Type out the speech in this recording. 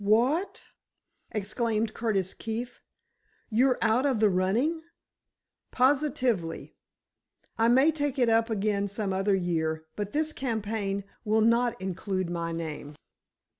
"What!" exclaimed Curtis Keefe. "You're out of the running?" "Positively! I may take it up again some other year, but this campaign will not include my name."